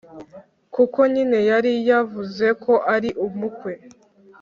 kuko nyine yari yavuze ko ari umukwe,